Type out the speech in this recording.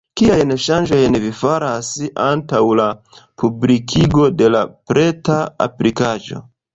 Kiajn ŝanĝojn vi faras antaŭ la publikigo de la preta aplikaĵo?